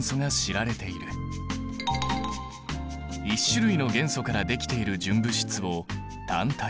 １種類の元素からできている純物質を単体。